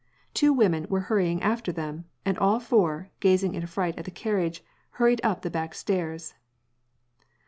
Two women were hurrying after them, and all four, gazing in affright at the carriage, hurried up the back stairs.